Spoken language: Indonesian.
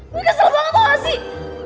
gue kesel banget tau gak sih